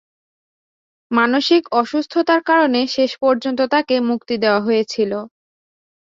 মানসিক অসুস্থতার কারণে শেষ পর্যন্ত তাকে মুক্তি দেওয়া হয়েছিল।